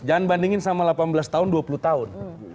jangan bandingin sama delapan belas tahun dua puluh tahun